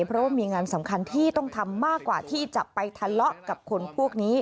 เพราะว่ามีงานสำคัญที่ต้องทำมากกว่าที่จะไปทะเลาะกับคนพวกนี้